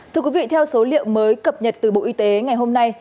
thưa quý vị theo số liệu mới cập nhật từ bộ y tế ngày hôm nay